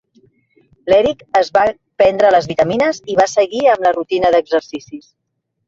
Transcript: L'Eric es va prendre les vitamines i va seguir amb la rutina d'exercicis.